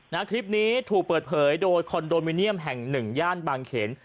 คลิปนี้ถูกเปิดเผยโดยคอนโดมิเนียมแห่งหนึ่งย่านบางเขน